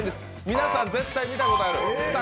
皆さん絶対見たことがある。